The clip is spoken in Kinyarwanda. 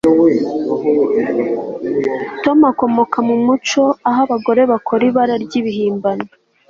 Tom akomoka mu muco aho abagore bakora ibara ryibihimbano